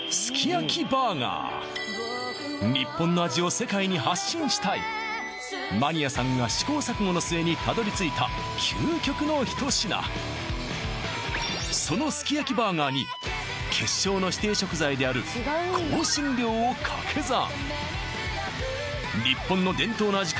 そう発信したいマニアさんが試行錯誤の末にたどりついた究極の一品そのすき焼きバーガーに決勝の指定食材である香辛料を掛け算日本の伝統の味×